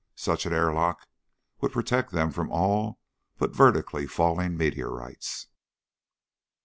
Such an airlock would protect them from all but vertically falling meteorites.